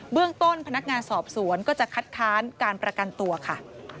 เรื่องต้นพนักงานสอบสวนก็จะคัดค้านการประกันตัวค่ะ